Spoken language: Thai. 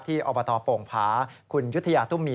อบตโป่งผาคุณยุธยาตุ้มมี